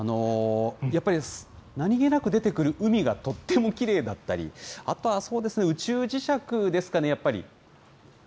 やっぱり何気なく出てくる海がとってもきれいだったり、あとはそうですね、宇宙磁石ですかね、やっぱり。